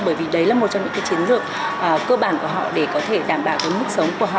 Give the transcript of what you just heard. bởi vì đấy là một trong những chiến lược cơ bản của họ để có thể đảm bảo mức sống của họ